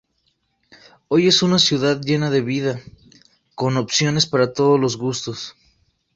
Hoy es una ciudad llena de vida, con opciones para todos los gustos.